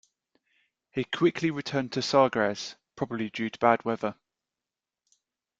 He quickly returned to Sagres, probably due to bad weather.